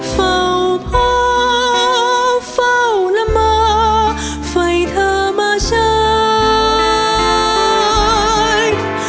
เฝ้าพ่อเฝ้าและหมอไฟเธอมาใช้